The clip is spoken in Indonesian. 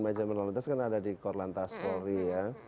majalah menolong terus kan ada di korlantas mori ya